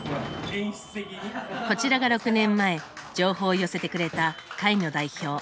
こちらが６年前情報を寄せてくれた会の代表松村さん。